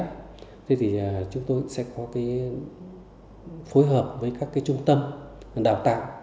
thế thì chúng tôi sẽ có cái phối hợp với các cái trung tâm đào tạo